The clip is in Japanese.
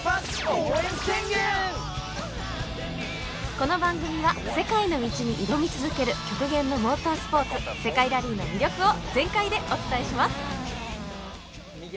この番組は世界の道に挑み続ける極限のモータースポーツ世界ラリーの魅力を全開でお伝えします。